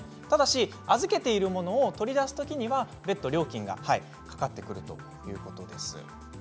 ただし、預けているものを取り出すときには別途料金がかかってくるということです。